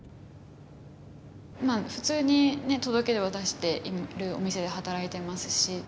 まあ普通に届け出を出しているお店で働いてますし。